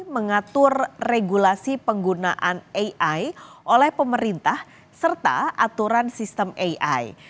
mengatur regulasi penggunaan ai oleh pemerintah serta aturan sistem ai